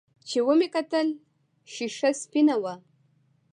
چې ومې کتل ښيښه سپينه وه.